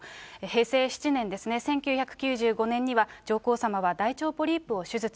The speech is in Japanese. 平成７年ですね、１９９５年には、上皇さまは大腸ポリープを手術。